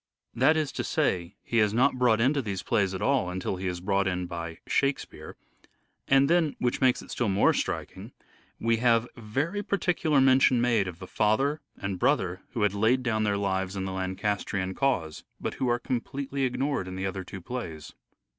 That is to say, he is not brought into these plays at all until he is brought in by " Shakespeare "; and then, which makes it still more striking, we have very particular mention made of the father and brother who had laid down their lives in the Lancastrian cause, but who are completely ignored in the other two plays.